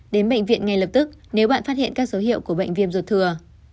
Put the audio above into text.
đến bệnh viện ngay lập tức nếu bạn phát hiện các dấu hiệu của bệnh viêm ruột thừa